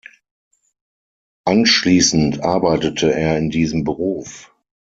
Anschließend arbeitete er in diesem Beruf.